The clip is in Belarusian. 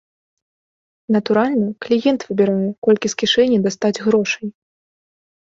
Натуральна, кліент выбірае, колькі з кішэні дастаць грошай.